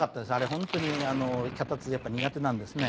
本当に脚立やっぱ苦手なんですね。